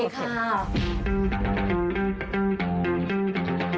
คุณผู้ชมมาเที่ยวชุมชนกุดีจีน